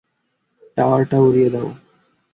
টাওয়ারটা উড়িয়ে দাও!